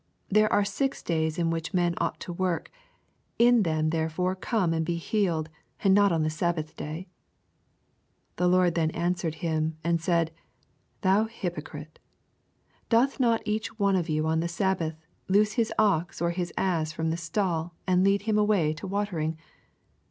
There are six days in which men ought to work : in them therefore come and be healed, and not on the sabbath day. 15 The Lord then answered him, and said. Thou hypocrite, doth not each one of you on the sabbath loose his ox or his ass f^om the stall, and lead him away to watering